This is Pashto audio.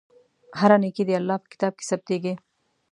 هره نېکۍ د الله په کتاب کې ثبتېږي.